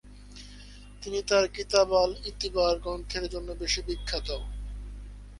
তিনি তার কিতাব আল-ই'তিবার গ্রন্থের জন্য বেশি বিখ্যাত।